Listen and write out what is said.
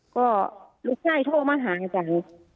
ก็ลูกไส้โทรมาหาอาจารย์